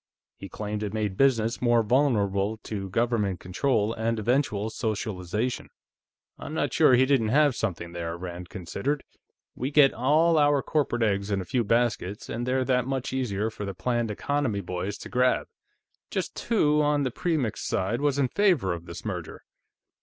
He claimed it made business more vulnerable to government control and eventual socialization." "I'm not sure he didn't have something there," Rand considered. "We get all our corporate eggs in a few baskets, and they're that much easier for the planned economy boys to grab.... Just who, on the Premix side, was in favor of this merger?"